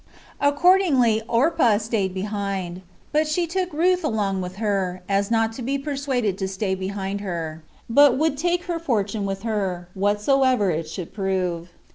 Accordingly Orpah staid behind; but she took Ruth along with her, as not to be persuaded to stay behind her, but would take her fortune with her, whatsoever it should prove.